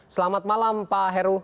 selamat malam pak heru